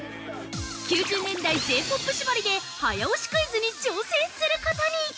９０年代Ｊ−ＰＯＰ縛りで早押しクイズに挑戦することに。